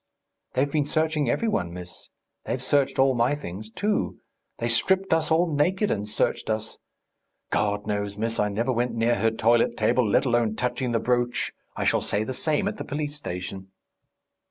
"They've been searching every one, miss. They've searched all my things, too. They stripped us all naked and searched us.... God knows, miss, I never went near her toilet table, let alone touching the brooch. I shall say the same at the police station."